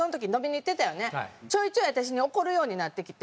ちょいちょい私に怒るようになってきて。